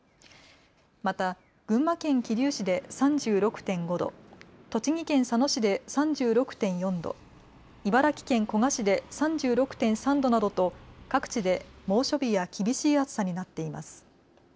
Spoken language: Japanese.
また群馬県桐生市で３６．５度、栃木県佐野市で３６．４度、茨城県古河市で３６．３度などと各地で猛暑日や厳しい暑さになっています。